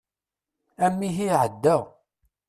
Amihi iεedda.